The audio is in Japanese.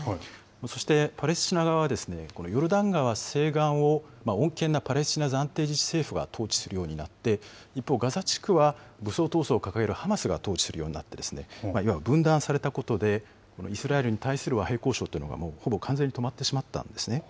そしてパレスチナ側は、ヨルダン川西岸を穏健なパレスチナ暫定自治政府が統治するようになって、一方、ガザ地区は武装闘争を掲げるハマスが統治するようになってですね、いわば分断されたことで、イスラエルに対する和平交渉というのがもうほぼ完全に止まってしまったんですね。